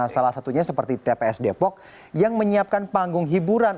salah satunya seperti tps depok yang menyiapkan panggung hiburan